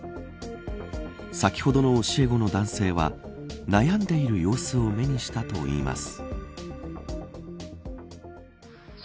先ほどの教え子の男性は悩んでいる様子を目にしたといいます。